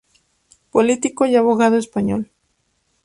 Político y abogado español.